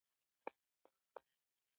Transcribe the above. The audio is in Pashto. کرنه د کډوالو په واسطه اروپا ته ولېږدول شوه.